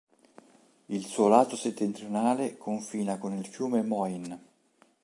Il suo lato settentrionale confina con il fiume Moyne.